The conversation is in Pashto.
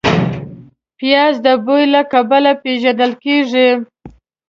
پیاز د بوی له کبله پېژندل کېږي